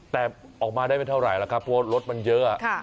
แต่ออกมาได้ไม่เท่าไหร่แล้วครับเพราะว่ารถมันเยอะ